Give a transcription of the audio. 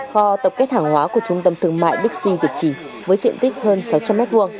kho tập kết hàng hóa của trung tâm thương mại bixi việt trì với diện tích hơn sáu trăm linh m hai